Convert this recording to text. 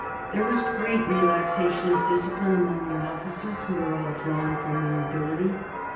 There was great relaxation of discipline among the officers, who were all drawn from the nobility.